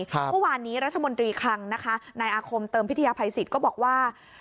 เมื่อวานนี้รัฐมนตรีคลังนะคะนายอาคมเติมพิทยาภัยสิทธิ์ก็บอกว่า